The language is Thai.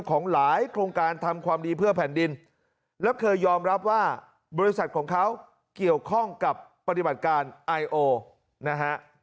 ของหลายโครงการทำความดีเพื่อแผ่นดินและเคยยอมรับว่าบริษัทของเขาเกี่ยวข้องกับปฏิบัติการไอโอนะฮะ